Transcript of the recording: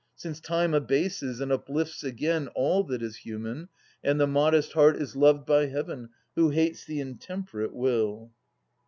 Since Time abases and uplifts again All that is human, and the modest heart Is loved by Heaven, who hates the intemperate will.